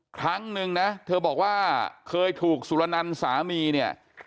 ครั้งนึงนะเธอบอกว่าเคยถูกสุรนันต์สามีเนี่ย